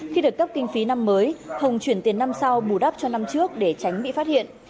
khi được cấp kinh phí năm mới hồng chuyển tiền năm sau bù đắp cho năm trước để tránh bị phát hiện